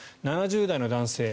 ７０代の男性